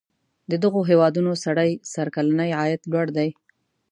د دغو هیوادونو سړي سر کلنی عاید لوړ دی.